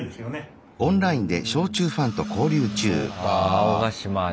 青ヶ島で。